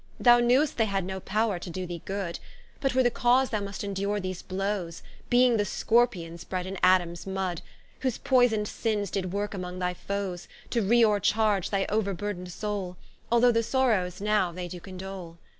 Thou knew'st they had no powre to doe thee good, But were the cause thou must endure these blowes, Beeing the Scorpions bred in Adams mud, Whose poys'ned sinnes did worke among thy foes, To re ore charge thy ouer burd'ned soule, Although the sorrowes now they doe condole.